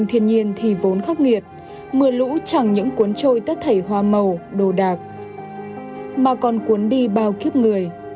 thiên nhiên thì vốn khắc nghiệt mưa lũ chẳng những cuốn trôi tất thể hoa màu đồ đạc mà còn cuốn đi bao kiếp người